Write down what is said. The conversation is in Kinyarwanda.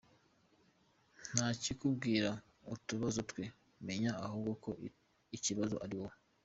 Ntakikubwira utubazo twe, menya ahubwo ko ikibazo ari wowe.